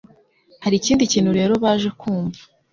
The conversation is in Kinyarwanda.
hari ikindi kintu rero baje kumva.